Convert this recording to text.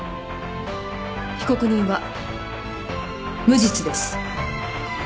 被告人は無実です。